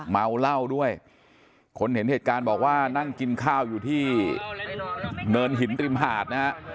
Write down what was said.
เมาเหล้าด้วยคนเห็นเหตุการณ์บอกว่านั่งกินข้าวอยู่ที่เนินหินริมหาดนะฮะ